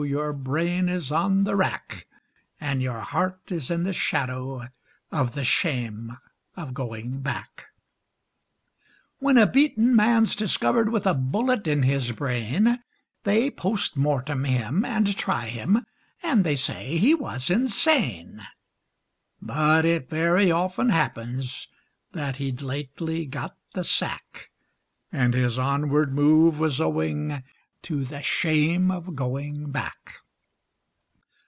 your brain is on the rack, And your heart is in the shadow of the shame of going back. When a beaten man's discovered with a bullet in his brain, They POST MORTEM him, and try him, and they say he was insane; But it very often happens that he'd lately got the sack, And his onward move was owing to the shame of going back.